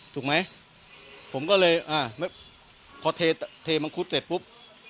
ถูกไหมผมก็เลยอ่าพอเทมังคุดเสร็จปุ๊บ